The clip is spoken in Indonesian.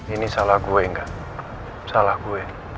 ini salah gue enggak salah gue